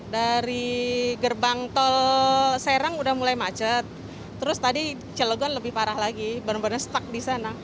dari gerbang tol serang udah mulai macet terus tadi cilegon lebih parah lagi benar benar stuck di sana